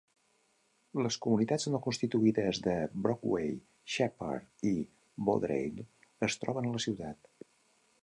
Les comunitats no constituïdes de Brockway, Sheppard i Vaudreuil es troben a la ciutat.